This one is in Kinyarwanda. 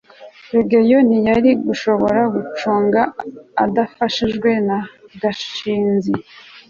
rugeyo ntiyari gushobora gucunga adafashijwe na gashinzi